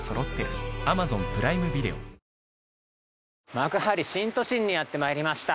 幕張新都心にやってまいりました